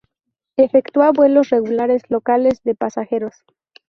Efectúa vuelos regulares locales de pasajeros.